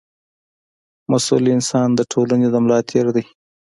مسوول انسان د ټولنې د ملا تېر دی.